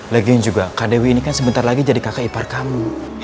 lagian juga kadewi ini kan sebentar lagi jadi kakak ipar kamu